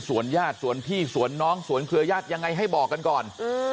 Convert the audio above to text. ส่วนญาติสวนพี่สวนน้องสวนเครือญาติยังไงให้บอกกันก่อน